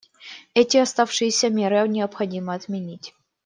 Эти оставшиеся меры необходимо отменить.